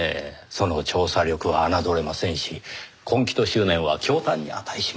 その調査力は侮れませんし根気と執念は驚嘆に値します。